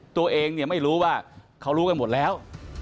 ตัวเองเนี่ยไม่รู้ว่าเขารู้กันหมดแล้ว